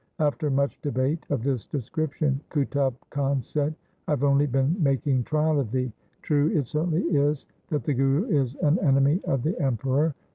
After much debate of this description Qutub Khan said, ' I have only been making trial of thee. True it certainly is that the Guru is an enemy of the Emperor.